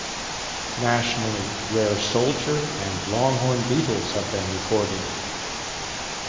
Nationally rare soldier and longhorn beetles have been recorded.